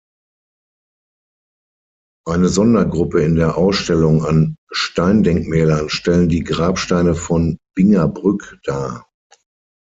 Eine Sondergruppe in der Ausstellung an Steindenkmälern stellen die Grabsteine von Bingerbrück dar.